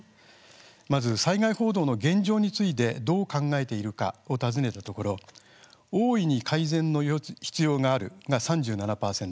まず災害報道の現状についてどう考えているか訪ねたところ大いに改善の必要があるが３７％。